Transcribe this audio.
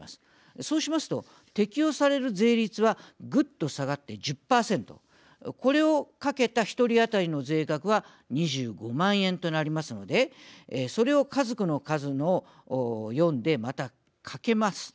そうしますと適用される税率はぐっと下がって１０％これをかけた１人当たりの税額は２５万円となりますのでそれを家族の数の４でまたかけます。